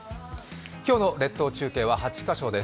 今日の列島中継は８カ所です。